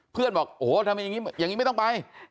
บอกโอ้โหทำอย่างนี้อย่างนี้ไม่ต้องไป